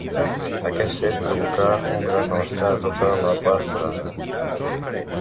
Aquest fet provocà un gran malestar a tota la part forana.